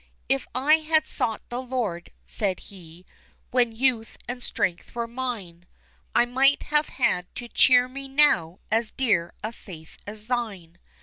"If I had sought the Lord," said he, "when youth and strength were mine, I might have had to cheer me now as dear a faith as thine.